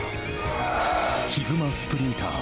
ヒグマスプリンター。